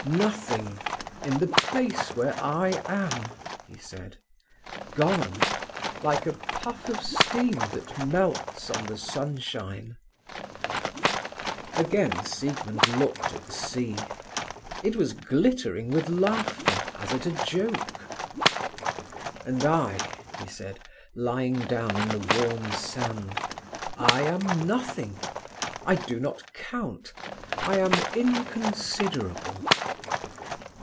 "Nothing, in the place where I am," he said. "Gone, like a puff of steam that melts on the sunshine." Again Siegmund looked at the sea. It was glittering with laughter as at a joke. "And I," he said, lying down in the warm sand, "I am nothing. I do not count; I am inconsiderable."